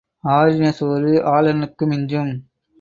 ஆறின சோறு ஆளனுக்கு மிஞ்சும்.